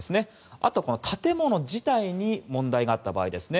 あと、建物自体に問題があった場合ですね。